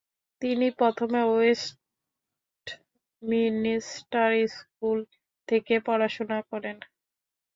তিনি প্রথমে Westminster school থেকে পড়াশুনা করেন।